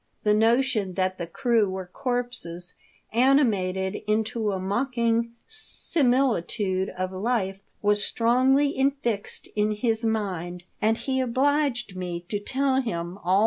The notion that the crew were corpses, animated into a mock ing similitude of life, was strongly infixed in his mind ; and he obliged me to tell him all A TALK OF THE DEATH SHIP.